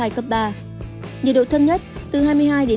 nhiệt độ thấp nhất từ hai mươi hai hai mươi năm độ